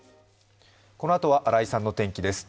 このあとは新井さんの天気です。